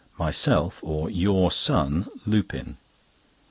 Myself, or your son Lupin?